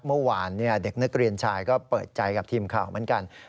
เมื่อวานเด็กนักเรียนชายก็เปิดใจกับทีมข่าวเหมือนกัน